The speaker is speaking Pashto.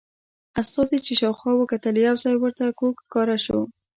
استازي چې شاوخوا وکتل یو ځای ورته کوږ ښکاره شو.